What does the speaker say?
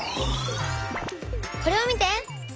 これを見て！